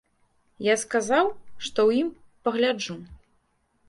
Я сказаў, што ў ім пагляджу.